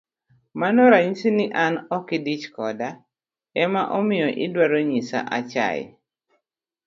Mano ranyisi ni an okidich koda, ema omiyo idwaro nyisa achaye.